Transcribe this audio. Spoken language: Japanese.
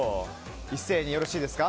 一斉によろしいですか。